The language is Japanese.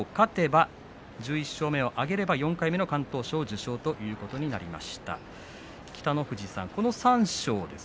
そして阿武咲がきょう勝てば１１勝目を挙げれば４回目の敢闘賞受賞ということになります。